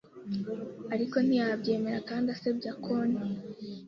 ariko ntiyabyemeye kandi asebya konti